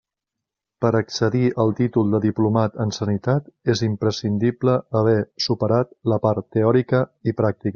Per a accedir al títol de diplomat en Sanitat és imprescindible haver superat la part teòrica i pràctica.